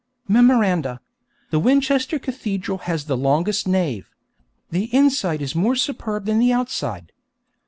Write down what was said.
Memoranda: _The Winchester Cathedral has the longest nave. The inside is more superb than the outside.